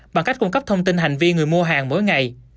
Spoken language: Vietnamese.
bằng cách cung cấp thông tin hành vi người mua hàng mỗi ngày